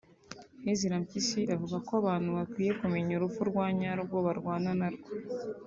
Ezra Mpyisi avuga ko abantu bakwiye kumenya urupfu rwa nyarwo barwana narwo